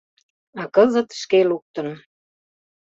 А кызыт шке луктын.